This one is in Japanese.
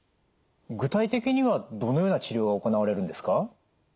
具体的にはどのような治療が行われるんですか？